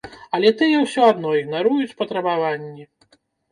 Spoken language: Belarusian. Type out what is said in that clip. Але тыя ўсё адно ігнаруюць патрабаванні.